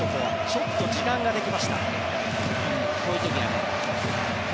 ちょっと時間ができました。